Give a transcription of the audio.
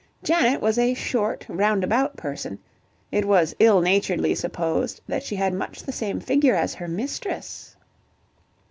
Janet was a short, roundabout person; it was ill naturedly supposed that she had much the same figure as her mistress.